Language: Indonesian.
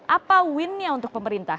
apa win nya untuk pemerintah